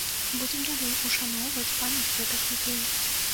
Будзем далей ушаноўваць памяць гэтых людзей.